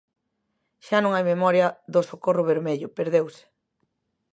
Xa non hai memoria do socorro vermello, perdeuse.